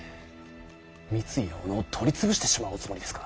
三井や小野を取り潰してしまうおつもりですか。